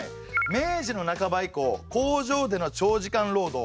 明治の半ば以降工場での長時間労働